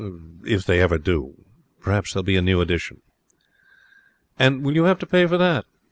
If they ever do, perhaps there'll be a new edition.' 'And will you have to pay for that?'